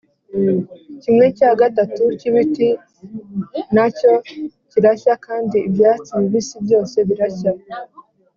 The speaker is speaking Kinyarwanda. kimwe cya gatatu cy’ibiti na cyo kirashya kandi ibyatsi bibisi byose birashya.